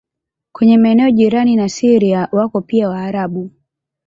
Kwenye maeneo jirani na Syria wako pia Waarabu.